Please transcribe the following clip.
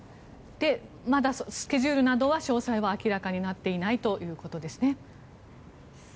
まだスケジュールなどは詳細は明らかになっていないということですね。